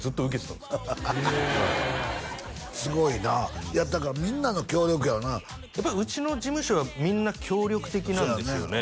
すごいないやだからみんなの協力やろうなやっぱうちの事務所はみんな協力的なんですよね